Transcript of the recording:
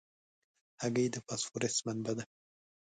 هګۍ د فاسفورس منبع ده.